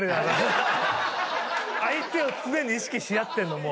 相手を常に意識し合ってるの。